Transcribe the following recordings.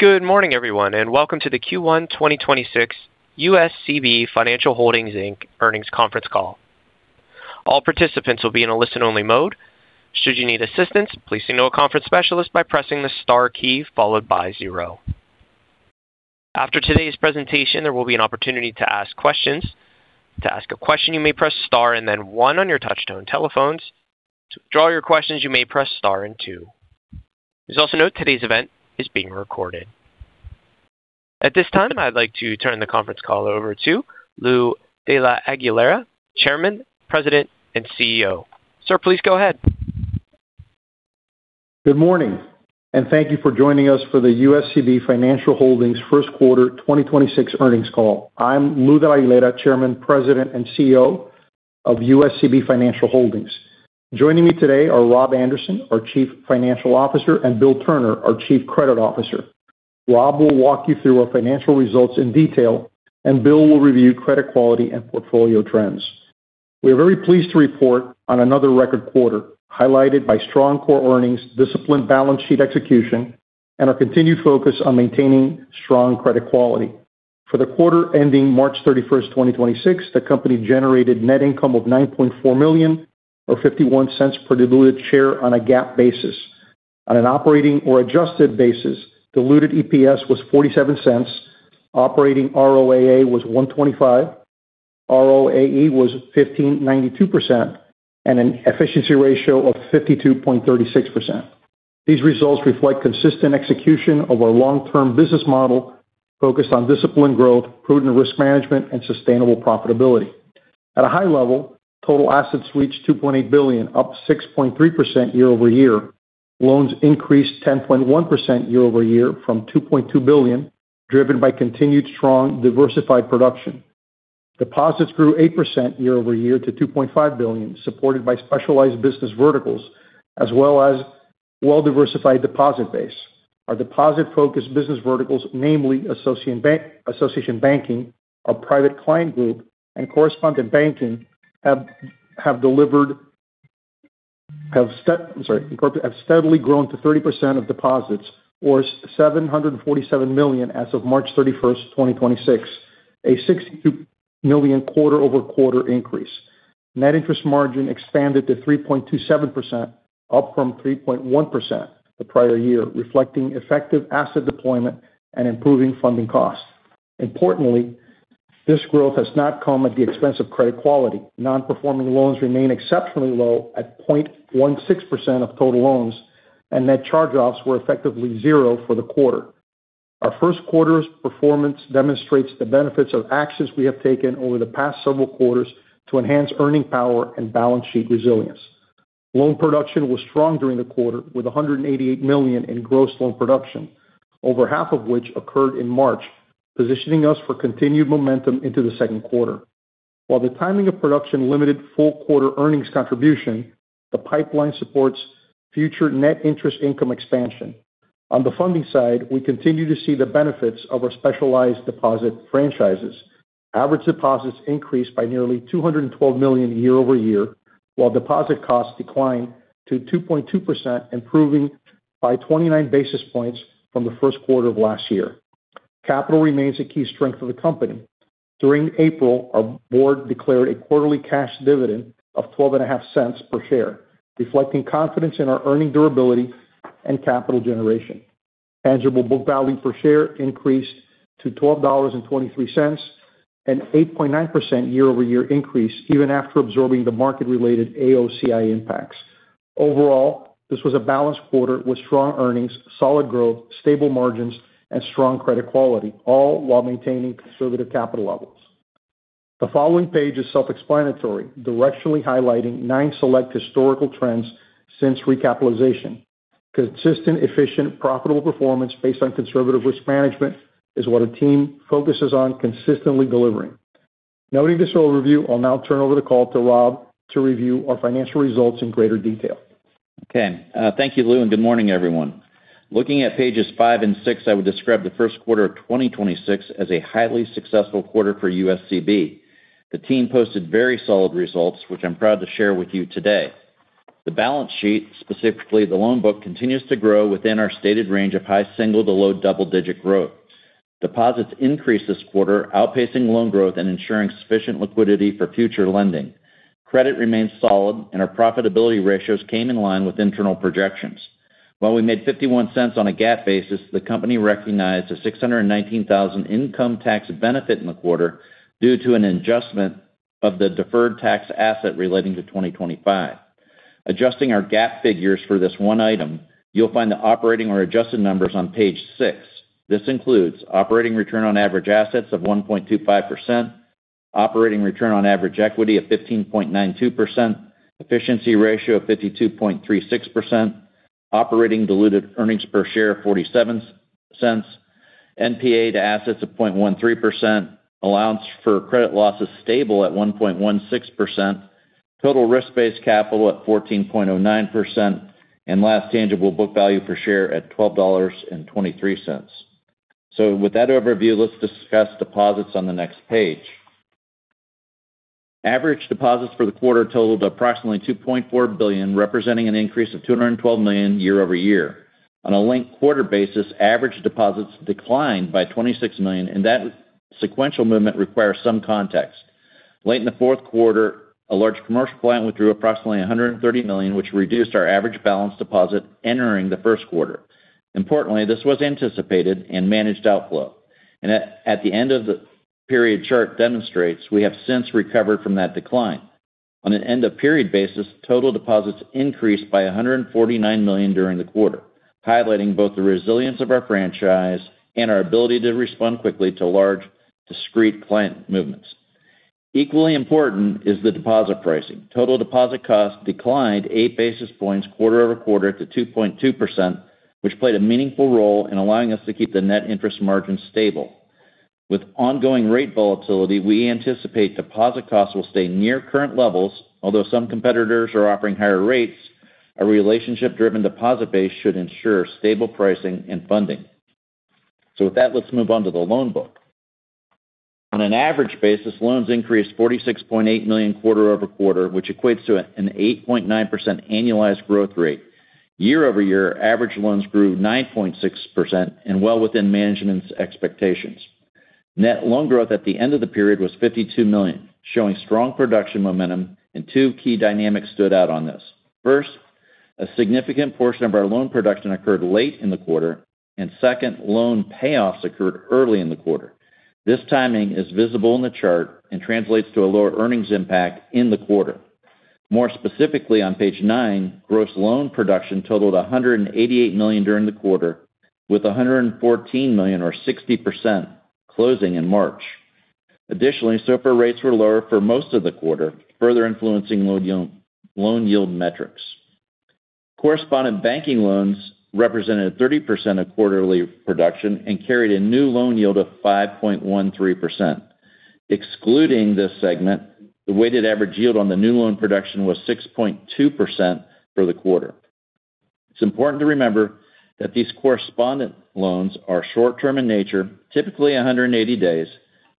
Good morning, everyone, and welcome to the Q1 2026 USCB Financial Holdings, Inc. earnings conference call. All participants will be in a listen-only mode. Should you need assistance, please signal a conference specialist by pressing the star key followed by zero. After today's presentation, there will be an opportunity to ask questions. To ask a question, you may press star and then one on your touchtone telephones. To withdraw your questions, you may press star and two. Please also note today's event is being recorded. At this time, I'd like to turn the conference call over to Luis de la Aguilera, Chairman, President, and CEO. Sir, please go ahead. Good morning, and thank you for joining us for the USCB Financial Holdings first quarter 2026 earnings call. I'm Luis de la Aguilera, Chairman, President, and CEO of USCB Financial Holdings. Joining me today are Rob Anderson, our Chief Financial Officer, and William Turner, our Chief Credit Officer. Rob will walk you through our financial results in detail, and Bill will review credit quality and portfolio trends. We are very pleased to report on another record quarter, highlighted by strong core earnings, disciplined balance sheet execution, and our continued focus on maintaining strong credit quality. For the quarter ending March 31st, 2026, the company generated net income of $9.4 million or $0.51 per diluted share on a GAAP basis. On an operating or adjusted basis, diluted EPS was $0.47, operating ROAA was 1.25%, ROAE was 15.92%, and an efficiency ratio of 52.36%. These results reflect consistent execution of our long-term business model focused on disciplined growth, prudent risk management, and sustainable profitability. At a high level, total assets reached $2.8 billion, up 6.3% year-over-year. Loans increased 10.1% year-over-year from $2.2 billion, driven by continued strong diversified production. Deposits grew 8% year-over-year to $2.5 billion, supported by specialized business verticals as well as well-diversified deposit base. Our deposit-focused business verticals, namely Association Banking, our Private Client Group, and Correspondent Banking have steadily grown to 30% of deposits or $747 million as of March 31st, 2026, a $62 million quarter-over-quarter increase. Net interest margin expanded to 3.27%, up from 3.1% the prior year, reflecting effective asset deployment and improving funding costs. Importantly, this growth has not come at the expense of credit quality. Non-performing loans remain exceptionally low at 0.16% of total loans, and net charge-offs were effectively zero for the quarter. Our first quarter's performance demonstrates the benefits of actions we have taken over the past several quarters to enhance earning power and balance sheet resilience. Loan production was strong during the quarter, with $188 million in gross loan production, over half of which occurred in March, positioning us for continued momentum into the second quarter. While the timing of production limited full quarter earnings contribution, the pipeline supports future net interest income expansion. On the funding side, we continue to see the benefits of our specialized deposit franchises. Average deposits increased by nearly $212 million year-over-year, while deposit costs declined to 2.2%, improving by 29 basis points from the first quarter of last year. Capital remains a key strength of the company. During April, our board declared a quarterly cash dividend of $0.125 per share, reflecting confidence in our earnings durability and capital generation. Tangible book value per share increased to $12.23, an 8.9% year-over-year increase even after absorbing the market-related AOCI impacts. Overall, this was a balanced quarter with strong earnings, solid growth, stable margins, and strong credit quality, all while maintaining conservative capital levels. The following page is self-explanatory, directionally highlighting nine select historical trends since recapitalization. Consistent, efficient, profitable performance based on conservative risk management is what a team focuses on consistently delivering. Noting this overview, I'll now turn over the call to Rob to review our financial results in greater detail. Okay. Thank you, Lou, and good morning, everyone. Looking at pages five and six, I would describe the first quarter of 2026 as a highly successful quarter for USCB. The team posted very solid results, which I'm proud to share with you today. The balance sheet, specifically the loan book, continues to grow within our stated range of high single- to low double-digit growth. Deposits increased this quarter, outpacing loan growth and ensuring sufficient liquidity for future lending. Credit remains solid, and our profitability ratios came in line with internal projections. While we made $0.51 on a GAAP basis, the company recognized a $619,000 income tax benefit in the quarter due to an adjustment of the deferred tax asset relating to 2025. Adjusting our GAAP figures for this one item, you'll find the operating or adjusted numbers on page six. This includes operating return on average assets of 1.25%, operating return on average equity of 15.92%, efficiency ratio of 52.36%, operating diluted earnings per share of $0.47, NPA to assets of 0.13%, allowance for credit losses stable at 1.16%, total risk-based capital at 14.09%, and last tangible book value per share at $12.23. With that overview, let's discuss deposits on the next page. Average deposits for the quarter totaled approximately $2.4 billion, representing an increase of $212 million year-over-year. On a linked quarter basis, average deposits declined by $26 million, and that sequential movement requires some context. Late in the fourth quarter, a large commercial client withdrew approximately $130 million, which reduced our average balance deposit entering the first quarter. Importantly, this was anticipated and managed outflow. At the end of the period, the chart demonstrates we have since recovered from that decline. On an end-of-period basis, total deposits increased by $149 million during the quarter, highlighting both the resilience of our franchise and our ability to respond quickly to large discrete client movements. Equally important is the deposit pricing. Total deposit cost declined 8 basis points quarter-over-quarter to 2.2%, which played a meaningful role in allowing us to keep the net interest margin stable. With ongoing rate volatility, we anticipate deposit costs will stay near current levels, although some competitors are offering higher rates, our relationship-driven deposit base should ensure stable pricing and funding. With that, let's move on to the loan book. On an average basis, loans increased $46.8 million quarter-over-quarter, which equates to an 8.9% annualized growth rate. Year-over-year, average loans grew 9.6% and well within management's expectations. Net loan growth at the end of the period was $52 million, showing strong production momentum and two key dynamics stood out on this. First, a significant portion of our loan production occurred late in the quarter. Second, loan payoffs occurred early in the quarter. This timing is visible in the chart and translates to a lower earnings impact in the quarter. More specifically, on page nine, gross loan production totaled $188 million during the quarter, with $114 million or 60% closing in March. Additionally, SOFR rates were lower for most of the quarter, further influencing loan yield metrics. Correspondent Banking loans represented 30% of quarterly production and carried a new loan yield of 5.13%. Excluding this segment, the weighted average yield on the new loan production was 6.2% for the quarter. It's important to remember that these correspondent loans are short-term in nature, typically 180 days,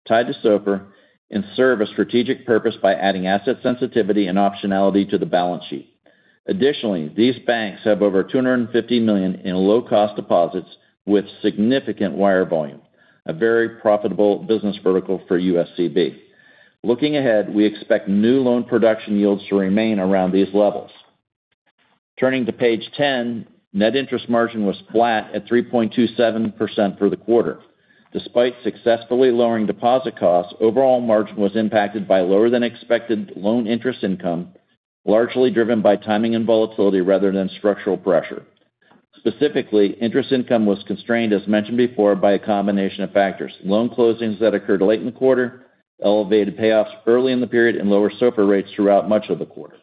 tied to SOFR, and serve a strategic purpose by adding asset sensitivity and optionality to the balance sheet. Additionally, these banks have over $250 million in low-cost deposits with significant wire volume, a very profitable business vertical for USCB. Looking ahead, we expect new loan production yields to remain around these levels. Turning to page 10, net interest margin was flat at 3.27% for the quarter. Despite successfully lowering deposit costs, overall margin was impacted by lower than expected loan interest income, largely driven by timing and volatility rather than structural pressure. Specifically, interest income was constrained, as mentioned before, by a combination of factors. Loan closings that occurred late in the quarter, elevated payoffs early in the period, and lower SOFR rates throughout much of the quarter.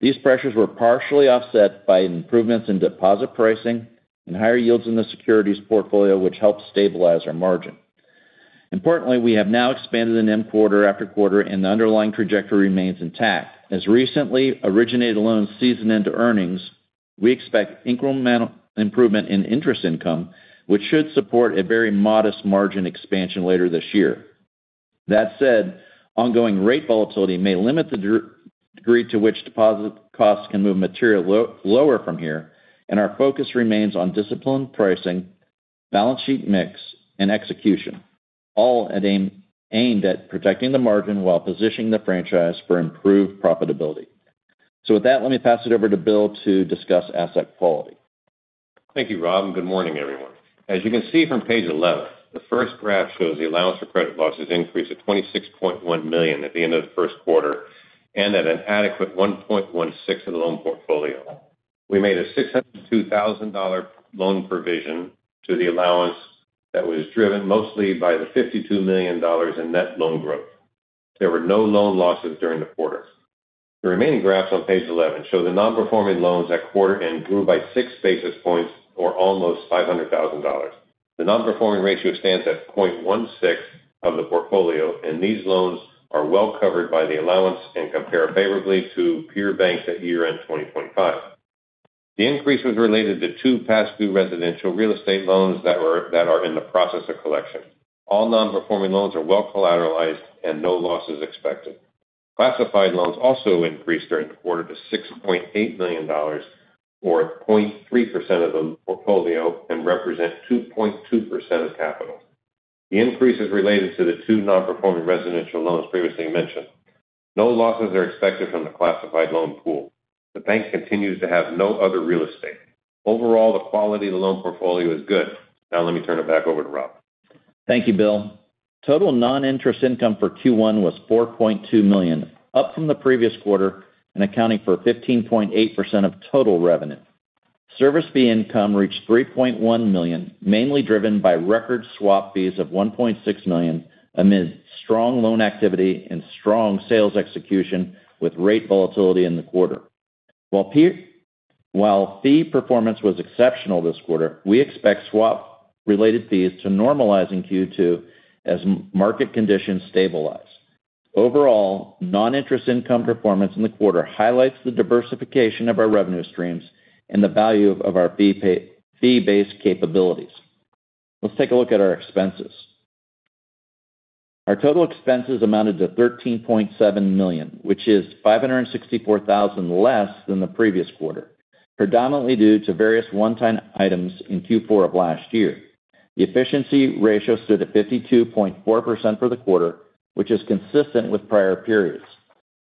These pressures were partially offset by improvements in deposit pricing and higher yields in the securities portfolio, which helped stabilize our margin. Importantly, we have now expanded in quarter-after-quarter and the underlying trajectory remains intact. As recently originated loans season into earnings, we expect incremental improvement in interest income, which should support a very modest margin expansion later this year. That said, ongoing rate volatility may limit the degree to which deposit costs can move material lower from here, and our focus remains on disciplined pricing, balance sheet mix, and execution, all aimed at protecting the margin while positioning the franchise for improved profitability. With that, let me pass it over to Bill to discuss asset quality. Thank you, Rob, and good morning, everyone. As you can see from page 11, the first graph shows the allowance for credit losses increased to $26.1 million at the end of the first quarter and at an adequate 1.16% of the loan portfolio. We made a $602,000 loan provision to the allowance that was driven mostly by the $52 million in net loan growth. There were no loan losses during the quarter. The remaining graphs on page 11 show the non-performing loans at quarter end grew by 6 basis points or almost $500,000. The non-performing ratio stands at 0.16% of the portfolio, and these loans are well-covered by the allowance and compare favorably to peer banks at year-end 2025. The increase was related to two past due residential real estate loans that are in the process of collection. All non-performing loans are well collateralized and no loss is expected. Classified loans also increased during the quarter to $6.8 million, or 0.3% of the portfolio and represent 2.2% of capital. The increase is related to the two non-performing residential loans previously mentioned. No losses are expected from the classified loan pool. The bank continues to have no other real estate. Overall, the quality of the loan portfolio is good. Now let me turn it back over to Rob. Thank you, Bill. Total non-interest income for Q1 was $4.2 million, up from the previous quarter and accounting for 15.8% of total revenue. Service fee income reached $3.1 million, mainly driven by record swap fees of $1.6 million amid strong loan activity and strong sales execution with rate volatility in the quarter. While fee performance was exceptional this quarter, we expect swap-related fees to normalize in Q2 as market conditions stabilize. Overall, non-interest income performance in the quarter highlights the diversification of our revenue streams and the value of our fee-based capabilities. Let's take a look at our expenses. Our total expenses amounted to $13.7 million, which is $564,000 less than the previous quarter, predominantly due to various one-time items in Q4 of last year. The efficiency ratio stood at 52.4% for the quarter, which is consistent with prior periods.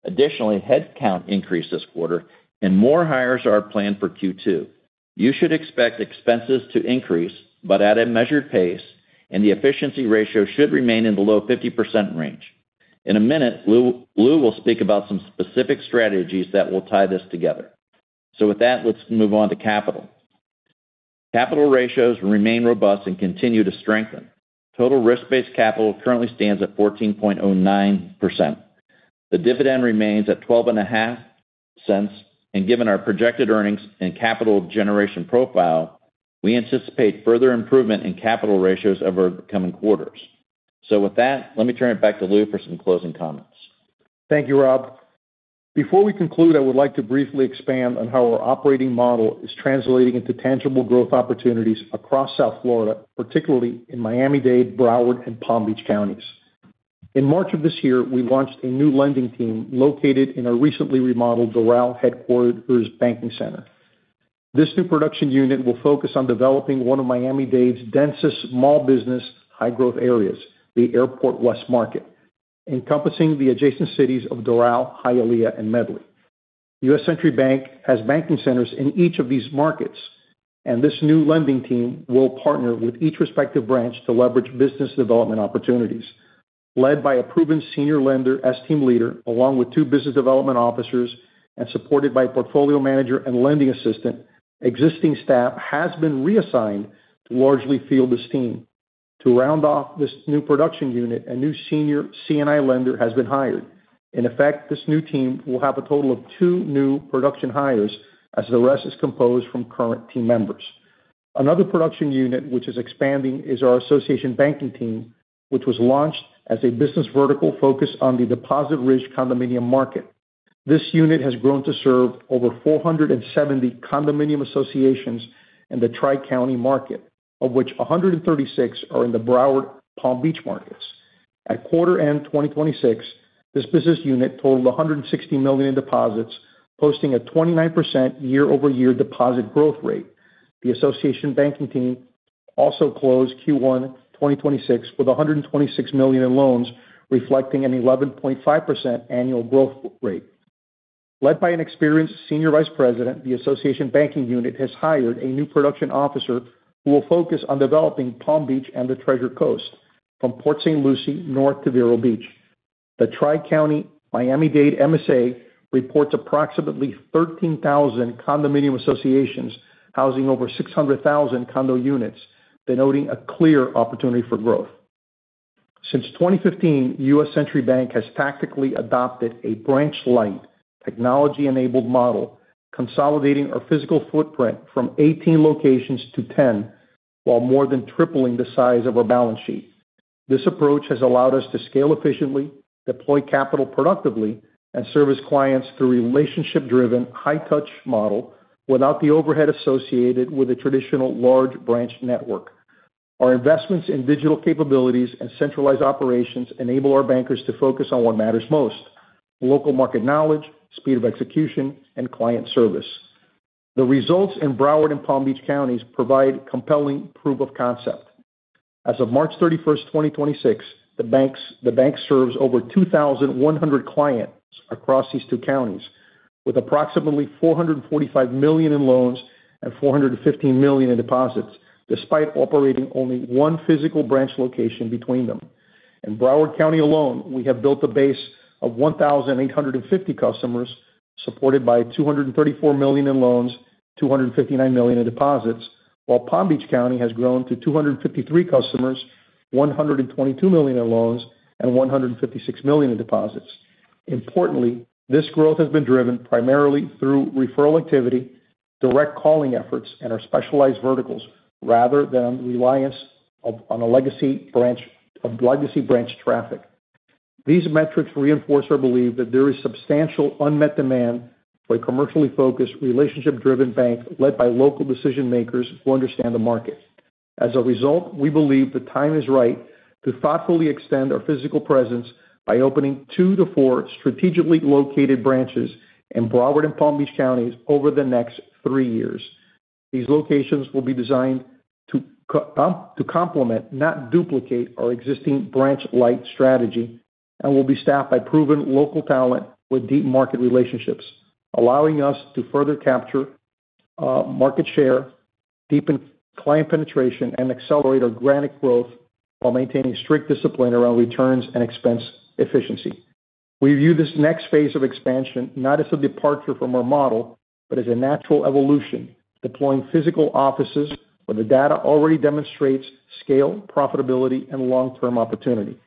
Additionally, head count increased this quarter and more hires are planned for Q2. You should expect expenses to increase, but at a measured pace, and the efficiency ratio should remain in the low 50% range. In a minute, Lou will speak about some specific strategies that will tie this together. With that, let's move on to capital. Capital ratios remain robust and continue to strengthen. Total risk-based capital currently stands at 14.09%. The dividend remains at $0.125, and given our projected earnings and capital generation profile, we anticipate further improvement in capital ratios over coming quarters. With that, let me turn it back to Lou for some closing comments. Thank you, Rob. Before we conclude, I would like to briefly expand on how our operating model is translating into tangible growth opportunities across South Florida, particularly in Miami-Dade, Broward, and Palm Beach counties. In March of this year, we launched a new lending team located in our recently remodeled Doral headquarters banking center. This new production unit will focus on developing one of Miami-Dade's densest small business high growth areas, the Airport West Market, encompassing the adjacent cities of Doral, Hialeah, and Medley. U.S. Century Bank has banking centers in each of these markets, and this new lending team will partner with each respective branch to leverage business development opportunities. Led by a proven senior lender as team leader, along with two business development officers and supported by a portfolio manager and lending assistant, existing staff has been reassigned to largely field this team. To round off this new production unit, a new senior C&I lender has been hired. In effect, this new team will have a total of two new production hires as the rest is composed from current team members. Another production unit which is expanding is our Association Banking team, which was launched as a business vertical focused on the deposit-rich condominium market. This unit has grown to serve over 470 condominium associations in the Tri-County market, of which 136 are in the Broward-Palm Beach markets. At quarter end 2026, this business unit totaled $160 million in deposits, posting a 29% year-over-year deposit growth rate. The Association Banking team also closed Q1 2026 with $126 million in loans, reflecting an 11.5% annual growth rate. Led by an experienced senior vice president, the Association Banking unit has hired a new production officer who will focus on developing Palm Beach and the Treasure Coast from Port St. Lucie north to Vero Beach. The Tri-County Miami-Dade MSA reports approximately 13,000 condominium associations housing over 600,000 condo units, denoting a clear opportunity for growth. Since 2015, U.S. Century Bank has tactically adopted a branch-light technology-enabled model, consolidating our physical footprint from 18 locations to 10, while more than tripling the size of our balance sheet. This approach has allowed us to scale efficiently, deploy capital productively, and service clients through relationship-driven, high-touch model without the overhead associated with a traditional large branch network. Our investments in digital capabilities and centralized operations enable our bankers to focus on what matters most, local market knowledge, speed of execution, and client service. The results in Broward and Palm Beach counties provide compelling proof of concept. As of March 31st, 2026, the bank serves over 2,100 clients across these two counties with approximately $445 million in loans and $415 million in deposits, despite operating only one physical branch location between them. In Broward County alone, we have built a base of 1,850 customers supported by $234 million in loans, $259 million in deposits, while Palm Beach County has grown to 253 customers, $122 million in loans, and $156 million in deposits. Importantly, this growth has been driven primarily through referral activity, direct calling efforts, and our specialized verticals rather than reliance on a legacy branch traffic. These metrics reinforce our belief that there is substantial unmet demand for a commercially focused, relationship-driven bank led by local decision-makers who understand the markets. As a result, we believe the time is right to thoughtfully extend our physical presence by opening two to four strategically located branches in Broward and Palm Beach counties over the next three years. These locations will be designed to complement, not duplicate our existing branch-light strategy and will be staffed by proven local talent with deep market relationships, allowing us to further capture market share, deepen client penetration, and accelerate organic growth while maintaining strict discipline around returns and expense efficiency. We view this next phase of expansion not as a departure from our model, but as a natural evolution, deploying physical offices where the data already demonstrates scale, profitability, and long-term opportunity.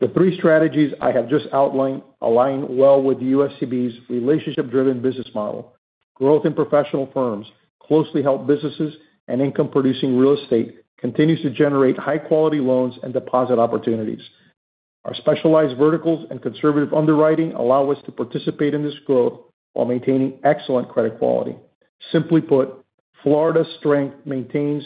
The three strategies I have just outlined align well with the USCB's relationship-driven business model. Growth in professional firms, closely held businesses, and income-producing real estate continues to generate high-quality loans and deposit opportunities. Our specialized verticals and conservative underwriting allow us to participate in this growth while maintaining excellent credit quality. Simply put, Florida's strength maintains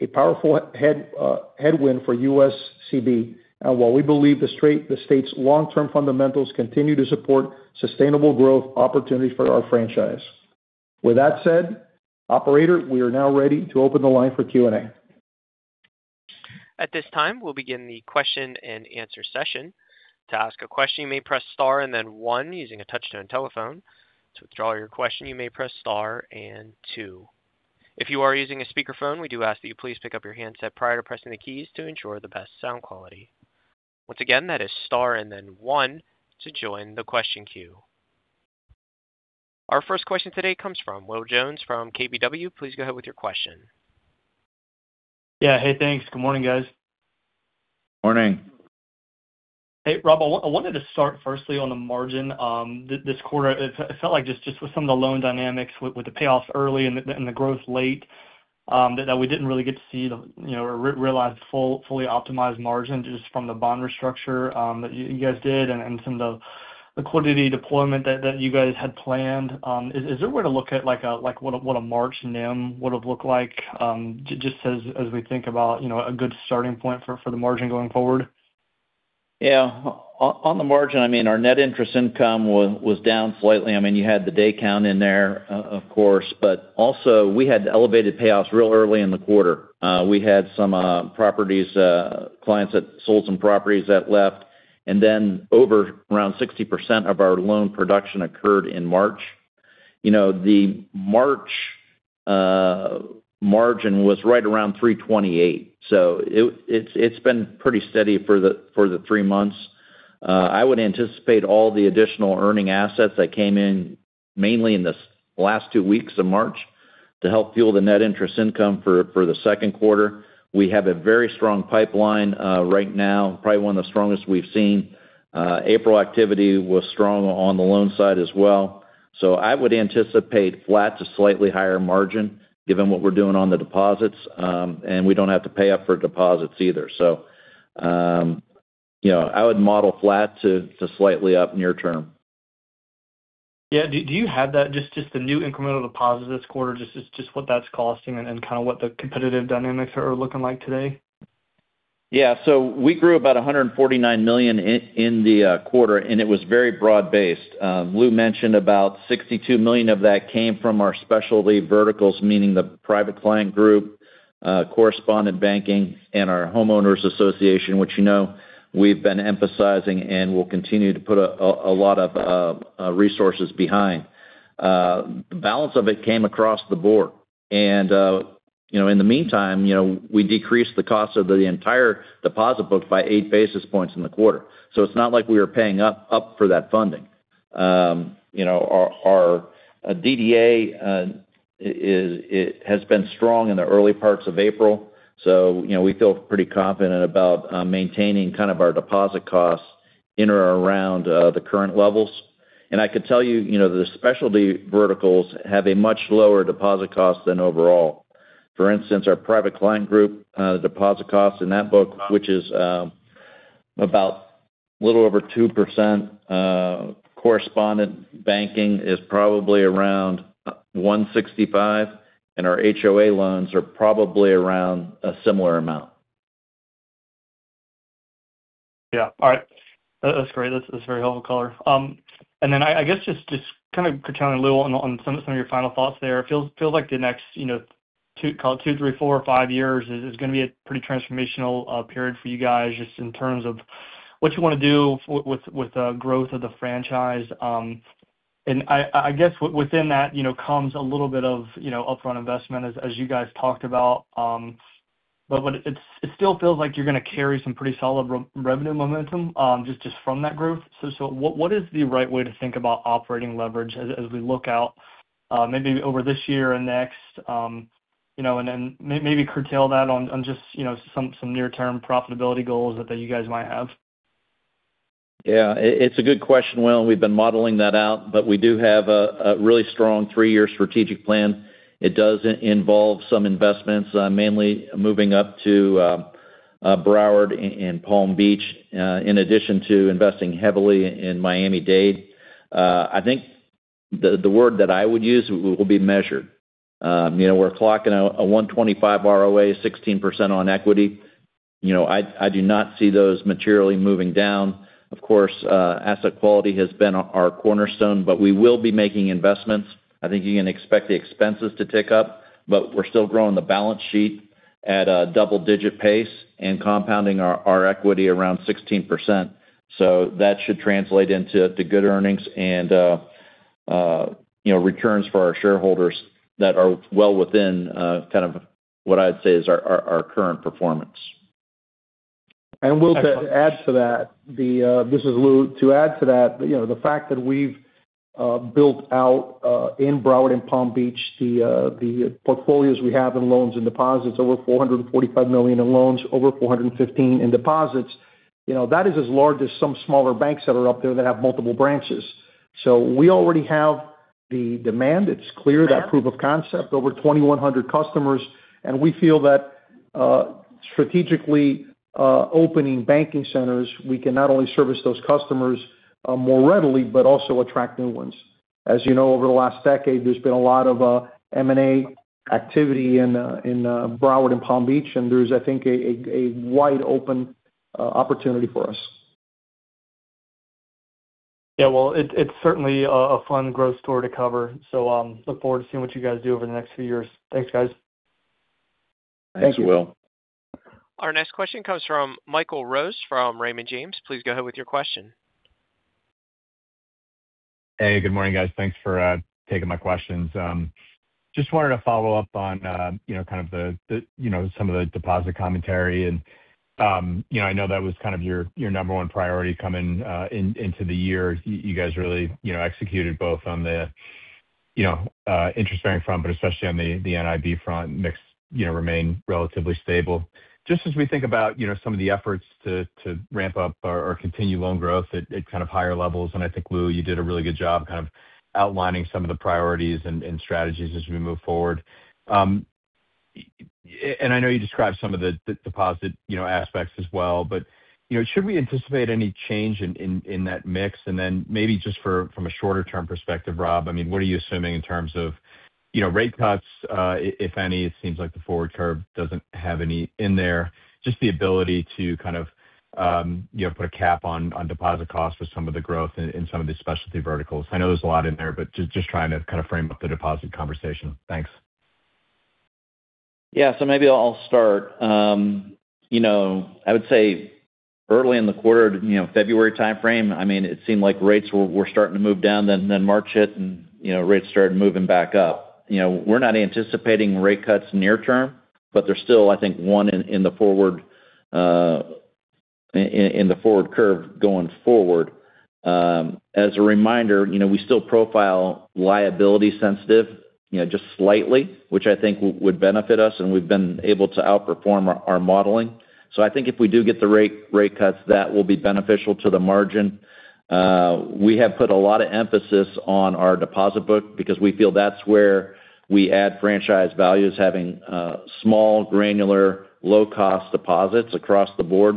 a powerful tailwind for USCB. While we believe the state's long-term fundamentals continue to support sustainable growth opportunities for our franchise. With that said, operator, we are now ready to open the line for Q&A. At this time, we'll begin the question-and-answer session. To ask a question, you may press star and then one using a touch-tone telephone. To withdraw your question, you may press star and two. If you are using a speakerphone, we do ask that you please pick up your handset prior to pressing the keys to ensure the best sound quality. Once again, that is star and then one to join the question queue. Our first question today comes from Will Jones from KBW. Please go ahead with your question. Yeah. Hey, thanks. Good morning, guys. Morning. Hey, Rob, I wanted to start firstly on the margin. This quarter, it felt like just with some of the loan dynamics, with the payoffs early and the growth late, that we didn't really get to see or realize fully optimized margin just from the bond restructure that you guys did and some of the liquidity deployment that you guys had planned. Is there a way to look at what a March NIM would have looked like, just as we think about a good starting point for the margin going forward? Yeah. On the margin, our net interest income was down slightly. You had the day count in there, of course. We had elevated payoffs real early in the quarter. We had some properties, clients that sold some properties that left. Over around 60% of our loan production occurred in March. The March margin was right around $328 million. It's been pretty steady for the three months. I would anticipate all the additional earning assets that came in mainly in the last two weeks of March to help fuel the net interest income for the second quarter. We have a very strong pipeline right now, probably one of the strongest we've seen. April activity was strong on the loan side as well. I would anticipate flat to slightly higher margin given what we're doing on the deposits. We don't have to pay up for deposits either. I would model flat to slightly up near term. Yeah. Do you have that, just the new incremental deposit this quarter, just what that's costing and kind of what the competitive dynamics are looking like today? Yeah. We grew about $149 million in the quarter, and it was very broad-based. Lou mentioned about $62 million of that came from our specialty verticals, meaning the Private Client Group, Correspondent Banking, and our Homeowners Association, which you know we've been emphasizing and will continue to put a lot of resources behind. The balance of it came across the board. In the meantime, we decreased the cost of the entire deposit book by 8 basis points in the quarter. It's not like we were paying up for that funding. Our DDA has been strong in the early parts of April. We feel pretty confident about maintaining kind of our deposit costs in or around the current levels. I could tell you the specialty verticals have a much lower deposit cost than overall. For instance, our Private Client Group deposit costs in that book, which is about a little over 2%. Correspondent Banking is probably around 1.65%, and our HOA loans are probably around a similar amount. Yeah. All right. That's great. That's a very helpful color. Then I guess just kind of circling back to, Lou, on some of your final thoughts there. It feels like the next two to three, four, or five years is going to be a pretty transformational period for you guys, just in terms of what you want to do with the growth of the franchise. I guess within that comes a little bit of upfront investment as you guys talked about. It still feels like you're going to carry some pretty solid revenue momentum just from that growth. What is the right way to think about operating leverage as we look out maybe over this year and next? Then maybe correlate that on just some near-term profitability goals that you guys might have? Yeah. It's a good question, Will. We've been modeling that out, but we do have a really strong three-year strategic plan. It does involve some investments, mainly moving up to Broward and Palm Beach, in addition to investing heavily in Miami-Dade. I think the word that I would use will be measured. We're clocking a 125 ROA, 16% on equity. I do not see those materially moving down. Of course, asset quality has been our cornerstone, but we will be making investments. I think you can expect the expenses to tick up, but we're still growing the balance sheet at a double-digit pace and compounding our equity around 16%. That should translate into good earnings and returns for our shareholders that are well within kind of what I'd say is our current performance. Will, to add to that. This is Lou. To add to that, the fact that we've built out in Broward and Palm Beach the portfolios we have in loans and deposits, over $445 million in loans, over $415 million in deposits. That is as large as some smaller banks that are up there that have multiple branches. We already have the demand. It's clear that proof of concept, over 2,100 customers. We feel that strategically opening banking centers, we can not only service those customers more readily, but also attract new ones. As you know, over the last decade, there's been a lot of M&A activity in Broward and Palm Beach, and there's, I think, a wide open opportunity for us. Yeah. Well, it's certainly a fun growth story to cover. Look forward to seeing what you guys do over the next few years. Thanks, guys. Thanks, Will. Our next question comes from Michael Rose, from Raymond James. Please go ahead with your question. Hey, good morning, guys. Thanks for taking my questions. Just wanted to follow up on some of the deposit commentary. I know that was kind of your number one priority coming into the year. You guys really executed both on the interest-bearing front, but especially on the NIB front. Mix remains relatively stable. Just as we think about some of the efforts to ramp up or continue loan growth at kind of higher levels, and I think, Will, you did a really good job kind of outlining some of the priorities and strategies as we move forward. I know you described some of the deposit aspects as well, but should we anticipate any change in that mix? Then maybe just from a shorter-term perspective, Rob, what are you assuming in terms of rate cuts, if any? It seems like the forward curve doesn't have any in there. Just the ability to kind of put a cap on deposit costs for some of the growth in some of the specialty verticals. I know there's a lot in there, but just trying to kind of frame up the deposit conversation. Thanks. Yeah. Maybe I'll start. I would say early in the quarter, February timeframe, it seemed like rates were starting to move down. March hit and rates started moving back up. We're not anticipating rate cuts near term, but they're still, I think, one in the forward curve going forward. As a reminder, we still profile liability sensitive just slightly, which I think would benefit us, and we've been able to outperform our modeling. I think if we do get the rate cuts, that will be beneficial to the margin. We have put a lot of emphasis on our deposit book because we feel that's where we add franchise value, is having small, granular, low-cost deposits across the board.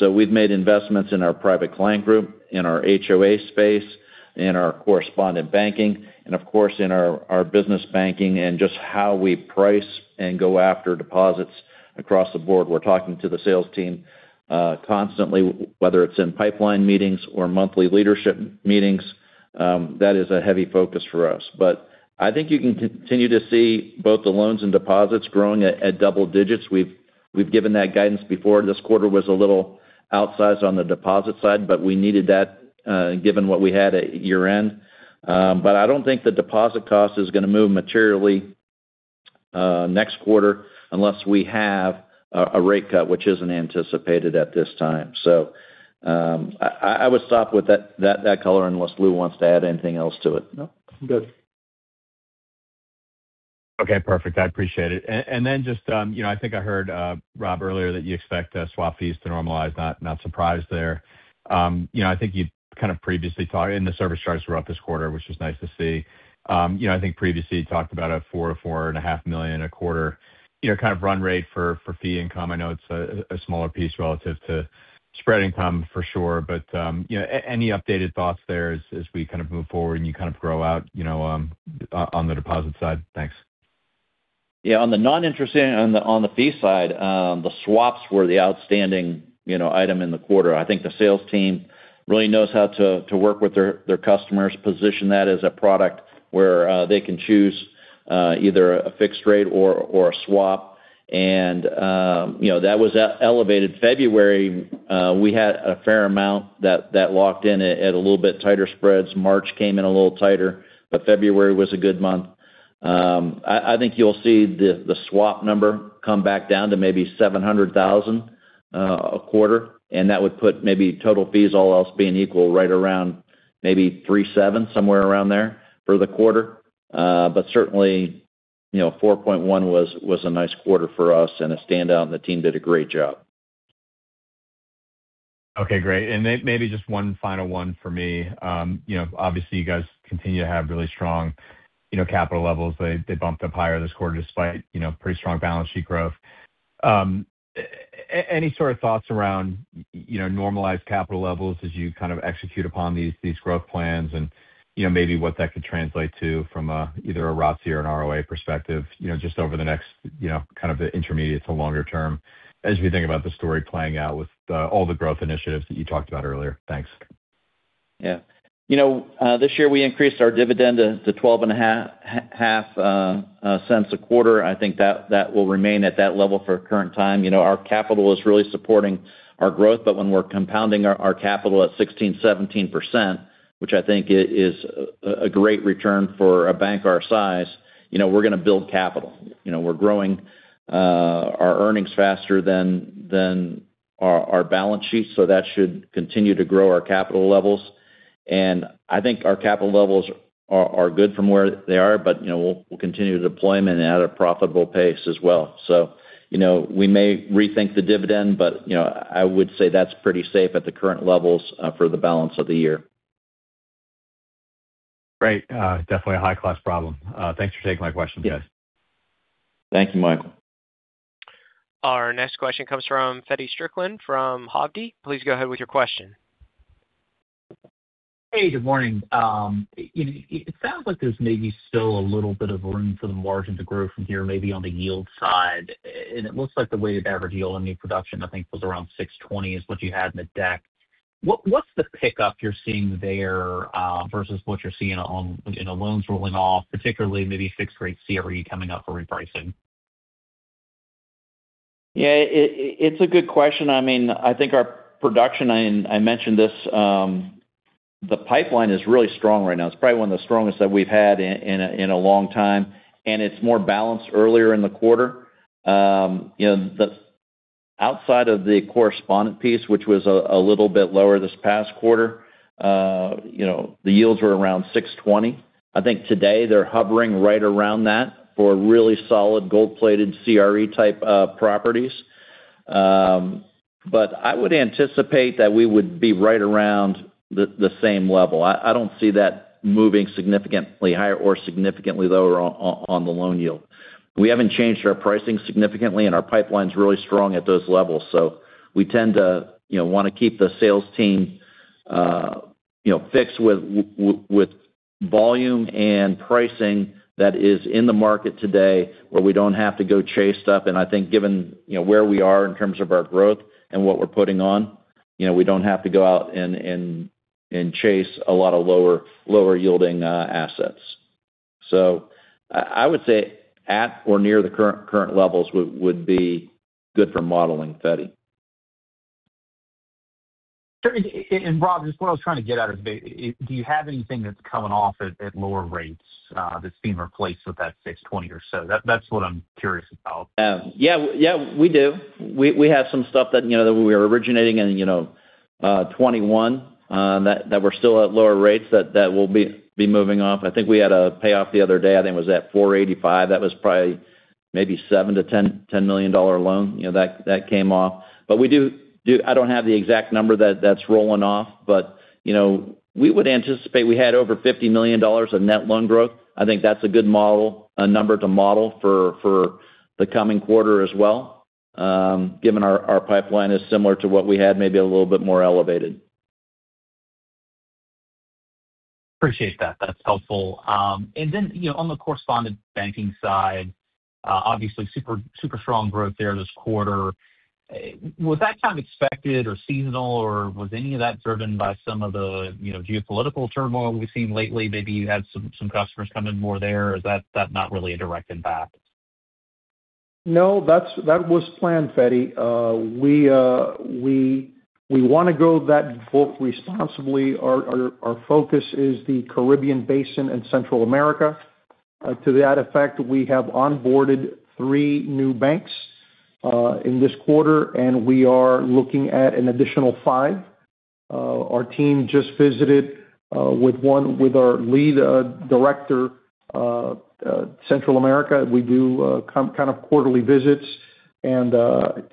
We've made investments in our Private Client Group, in our HOA space, in our Correspondent Banking, and of course, in our business banking and just how we price and go after deposits across the board. We're talking to the sales team constantly, whether it's in pipeline meetings or monthly leadership meetings. That is a heavy focus for us. I think you can continue to see both the loans and deposits growing at double digits. We've given that guidance before. This quarter was a little outsized on the deposit side, but we needed that given what we had at year-end. I don't think the deposit cost is going to move materially next quarter unless we have a rate cut, which isn't anticipated at this time. I would stop with that color unless Lou wants to add anything else to it. No, I'm good. Okay, perfect. I appreciate it. Just I think I heard, Rob, earlier that you expect swap fees to normalize. Not surprised there. I think you kind of previously talked, and the service charges were up this quarter, which was nice to see. I think previously you talked about a $4 million-$4.5 million a quarter kind of run rate for fee income. I know it's a smaller piece relative to spread income for sure, but any updated thoughts there as we kind of move forward and you kind of grow out on the deposit side? Thanks. Yeah. On the non-interest and on the fee side, the swaps were the outstanding item in the quarter. I think the sales team really knows how to work with their customers, position that as a product where they can choose either a fixed rate or a swap, and that was elevated in February. We had a fair amount that locked in at a little bit tighter spreads. March came in a little tighter, but February was a good month. I think you'll see the swap number come back down to maybe $700,000 a quarter, and that would put maybe total fees, all else being equal, right around maybe $3.7 million, somewhere around there for the quarter. Certainly $4.1 million was a nice quarter for us and a standout, and the team did a great job. Okay, great. Maybe just one final one for me. Obviously you guys continue to have really strong capital levels. They bumped up higher this quarter despite pretty strong balance sheet growth. Any sort of thoughts around normalized capital levels as you kind of execute upon these growth plans and maybe what that could translate to from either a ROTCE or an ROA perspective just over the next kind of intermediate to longer term as we think about the story playing out with all the growth initiatives that you talked about earlier? Thanks. Yeah. This year we increased our dividend to $0.125 a quarter. I think that will remain at that level for current time. Our capital is really supporting our growth, but when we're compounding our capital at 16%-17%, which I think is a great return for a bank our size, we're going to build capital. We're growing our earnings faster than our balance sheet, so that should continue to grow our capital levels. I think our capital levels are good from where they are, but we'll continue deployment at a profitable pace as well. We may rethink the dividend, but I would say that's pretty safe at the current levels for the balance of the year. Great. Definitely a high-class problem. Thanks for taking my questions, guys. Thank you, Michael. Our next question comes from Feddie Strickland from Hovde. Please go ahead with your question. Hey, good morning. It sounds like there's maybe still a little bit of room for the margin to grow from here, maybe on the yield side. It looks like the weighted average yield on new production, I think, was around $620 million is what you had in the deck. What's the pickup you're seeing there, versus what you're seeing on loans rolling off, particularly maybe fixed-rate CRE coming up for repricing? Yeah, it's a good question. I think our production, I mentioned this, the pipeline is really strong right now. It's probably one of the strongest that we've had in a long time, and it's more balanced earlier in the quarter. Outside of the correspondent piece, which was a little bit lower this past quarter, the yields were around $620 milion. I think today they're hovering right around that for really solid gold-plated CRE-type properties, but I would anticipate that we would be right around the same level. I don't see that moving significantly higher or significantly lower on the loan yield. We haven't changed our pricing significantly, and our pipeline's really strong at those levels. We tend to want to keep the sales team fixed with volume and pricing that is in the market today, where we don't have to go chase stuff. I think given where we are in terms of our growth and what we're putting on, we don't have to go out and chase a lot of lower-yielding assets. I would say at or near the current levels would be good for modeling, Feddie. Rob, just what I was trying to get at is, do you have anything that's coming off at lower rates that's being replaced with that $620 million or so? That's what I'm curious about. Yeah, we do. We have some stuff that we were originating in 2021 that were still at lower rates that will be moving off. I think we had a payoff the other day. I think it was at $485 million. That was probably maybe a $7-$10 million loan that came off. But I don't have the exact number that's rolling off. But we would anticipate we had over $50 million of net loan growth. I think that's a good number to model for the coming quarter as well, given our pipeline is similar to what we had, maybe a little bit more elevated. Appreciate that. That's helpful. On the Correspondent Banking side, obviously super strong growth there this quarter. Was that kind of expected or seasonal, or was any of that driven by some of the geopolitical turmoil we've seen lately? Maybe you had some customers come in more there. Is that not really a direct impact? No, that was planned, Feddie. We want to grow that responsibly. Our focus is the Caribbean Basin and Central America. To that effect, we have onboarded three new banks in this quarter, and we are looking at an additional five. Our team just visited with our lead director, Central America. We do kind of quarterly visits.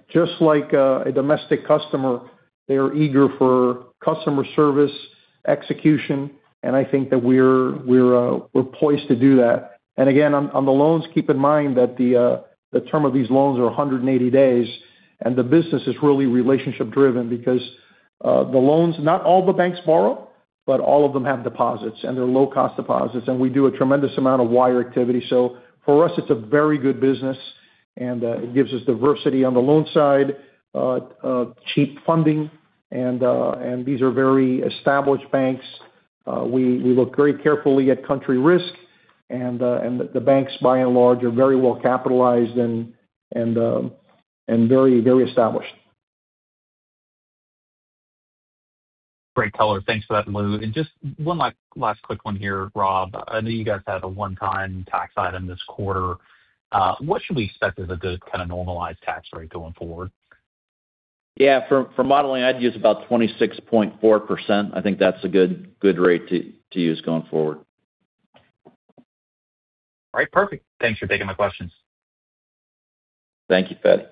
Just like a domestic customer, they are eager for customer service execution, and I think that we're poised to do that. Again, on the loans, keep in mind that the term of these loans are 180 days, and the business is really relationship-driven because the loans, not all the banks borrow, but all of them have deposits, and they're low-cost deposits, and we do a tremendous amount of wire activity. For us, it's a very good business, and it gives us diversity on the loan side, cheap funding, and these are very established banks. We look very carefully at country risk, and the banks, by and large, are very well capitalized and very established. Great color. Thanks for that, Lou. Just one last quick one here, Rob. I know you guys had a one-time tax item this quarter. What should we expect as a good kind of normalized tax rate going forward? Yeah, for modeling, I'd use about 26.4%. I think that's a good rate to use going forward. All right, perfect. Thanks for taking my questions. Thank you, Feddie.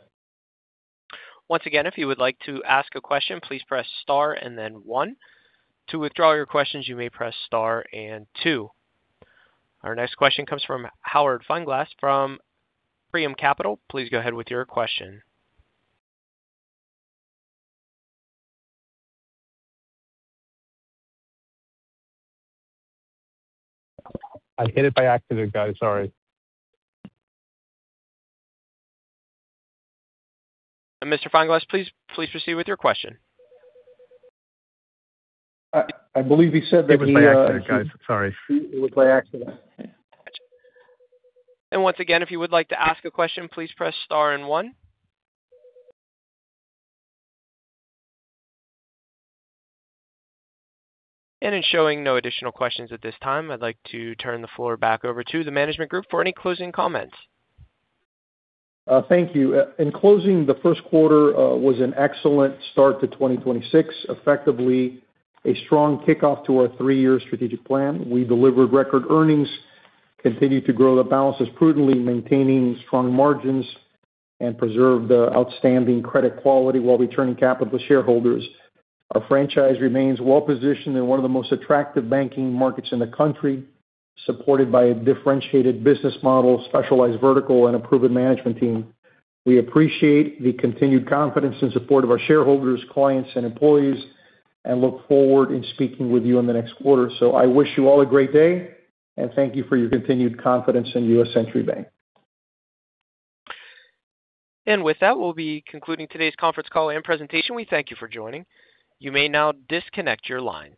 Our next question comes from Howard Feinglass from Priam Capital. Please go ahead with your question. I hit it by accident, guys, sorry. Mr. Feinglass, please proceed with your question. I believe he said that he- Hit it by accident, guys. Sorry. It was by accident. Once again, if you would like to ask a question, please press star and one. It's showing no additional questions at this time. I'd like to turn the floor back over to the management group for any closing comments. Thank you. In closing, the first quarter was an excellent start to 2026, effectively a strong kickoff to our three-year strategic plan. We delivered record earnings, continued to grow the balances prudently, maintaining strong margins, and preserved outstanding credit quality while returning capital to shareholders. Our franchise remains well-positioned in one of the most attractive banking markets in the country, supported by a differentiated business model, specialized vertical, and a proven management team. We appreciate the continued confidence and support of our shareholders, clients, and employees and look forward to speaking with you in the next quarter. I wish you all a great day, and thank you for your continued confidence in U.S. Century Bank. With that, we'll be concluding today's conference call and presentation. We thank you for joining. You may now disconnect your lines.